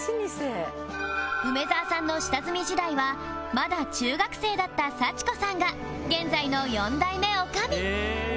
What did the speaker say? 梅沢さんの下積み時代はまだ中学生だった幸子さんが現在の４代目女将